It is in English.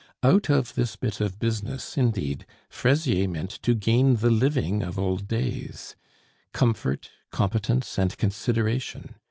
Out of this bit of business, indeed, Fraisier meant to gain the living of old days; comfort, competence, and consideration.